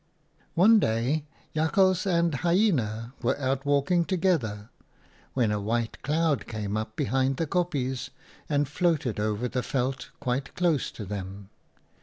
" One day Jakhals and Hyena were out walking together when a white cloud came up behind the kopjes and floated over the veld quite close to them.